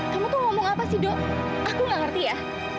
kamu tuh ngomong apa sih dok aku gak ngerti ya